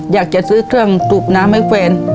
อยากจะซื้อเครื่องสูบน้ำให้แฟน